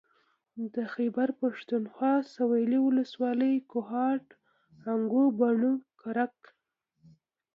د خېبر پښتونخوا سوېلي ولسوالۍ کوهاټ هنګو بنو کرک